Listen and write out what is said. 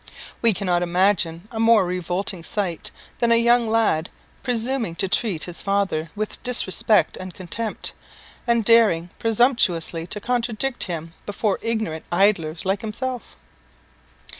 We cannot imagine a more revolting sight than a young lad presuming to treat his father with disrespect and contempt, and daring presumptuously to contradict him before ignorant idlers like himself.